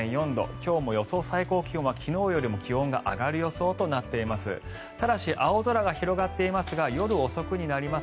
今日も予想最高気温は昨日よりも気温が上がる予想となっています。